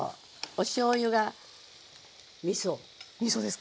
おしょうゆがみそ。